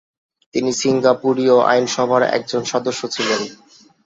তিনি সিঙ্গাপুরীয় আইনসভার একজন সদস্য ছিলেন।